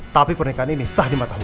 tapi pernikahan ini sah di mata allah